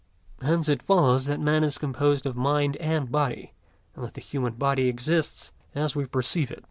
Hence it follows that man is composed of mind and body, and that the human body exists as we perceive it.